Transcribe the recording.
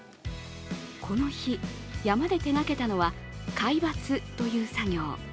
この日、山で手がけたのは皆伐という作業。